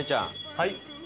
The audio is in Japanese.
はい！